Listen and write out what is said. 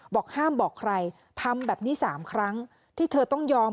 บอกห้ามบอกใครทำแบบนี้๓ครั้งที่เธอต้องยอม